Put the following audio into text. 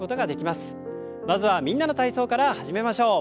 まずは「みんなの体操」から始めましょう。